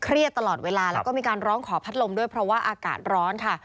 ตลอดเวลาแล้วก็มีการร้องขอพัดลมด้วยเพราะว่าอากาศร้อนค่ะ